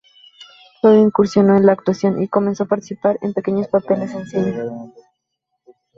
Luego incursionó en la actuación y comenzó a participar en pequeños papeles en cine.